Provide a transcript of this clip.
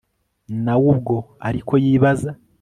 na we ubwo ariko yibaza